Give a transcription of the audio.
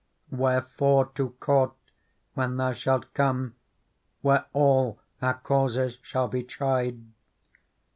Wherefore to court when thou shalt come, Where all our causes shall be tried.